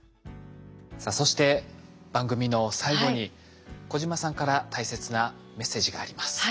さあそして番組の最後に小島さんから大切なメッセージがあります。